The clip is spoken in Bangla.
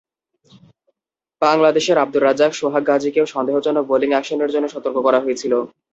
বাংলাদেশের আবদুর রাজ্জাক, সোহাগ গাজীকেও সন্দেহজনক বোলিং অ্যাকশনের জন্য সতর্ক করা হয়েছিল।